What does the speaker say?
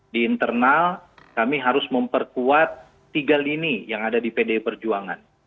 di internal kami harus memperkuat tiga lini yang ada di pdi perjuangan